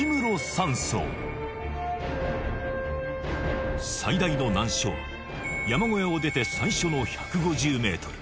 山荘最大の難所は山小屋を出て最初の１５０ｍ